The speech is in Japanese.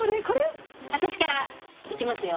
私からいきますよ。